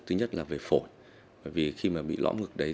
thứ nhất là về phổi vì khi mà bị lõm ngực đấy